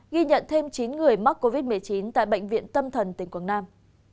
ghi nhận thêm chín người mắc covid một mươi chín tại bệnh viện tâm thần tỉnh quảng nam